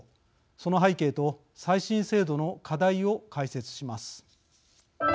その背景と再審制度の課題を解説します。